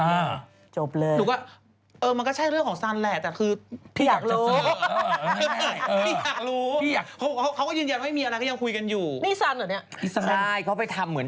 หนูก็เออมันก็ใช่เรื่องของสันแหละแต่คือ